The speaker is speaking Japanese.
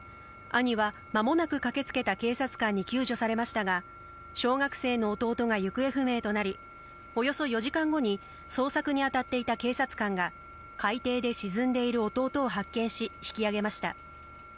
兄はまもなく駆けつけた警察官に救助されましたが、小学生の弟が行方不明となり、およそ４時間後に、捜索に当たっていた警察官が、海底で沈んでいる弟を発見し、引き上げました。